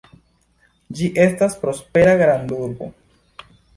Ĝi estas prospera grandurbo.